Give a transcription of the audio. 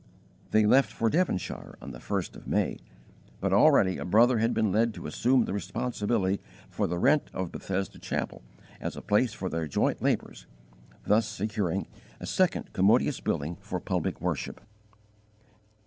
They left for Devonshire on the first of May; but already a brother had been led to assume the responsibility for the rent of Bethesda Chapel as a place for their joint labours, thus securing a second commodious building for public worship.